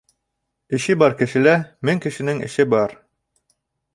Эше бар кешелә мең кешенең эше бар